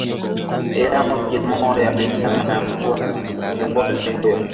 Eamon Gilmore alisema ameelezea wasi-wasi wa umoja huo katika mazungumzo na kiongozi huyo